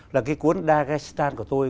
là cái cuốn dagestan của tôi